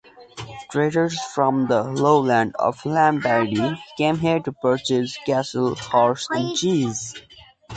Traders from the lowlands of Lombardy came here to purchase cattle, horses, and cheese.